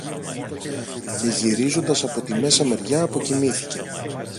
Και γυρίζοντας από τη μέσα μεριά αποκοιμήθηκε.